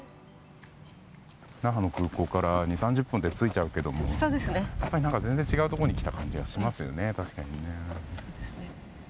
那覇の空港から２０３０分で着いちゃうけど全然違うところに来た感じがしますよね。